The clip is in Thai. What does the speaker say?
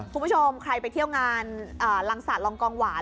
คุณผู้ชมใครไปเที่ยวงานลังศาสตรองกองหวาน